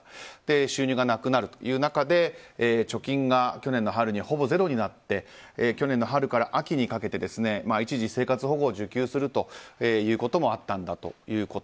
収入がなくなるという中で貯金が去年の春にほぼゼロになって去年の春から秋にかけて一時、生活保護を受給するということもあったと。